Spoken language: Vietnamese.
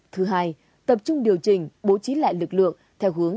thứ hai tập trung điều chỉnh bố trí lại lực lượng